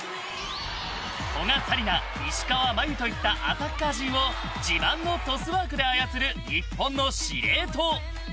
古賀紗理那、石川真佑といったアタッカー陣を自慢のトスワークで操る日本の司令塔。